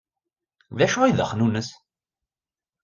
D acu i d axnunnes?